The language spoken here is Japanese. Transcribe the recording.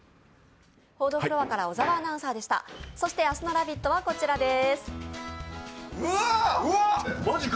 そして明日の「ラヴィット！」はこちらです。